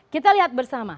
kita lihat bersama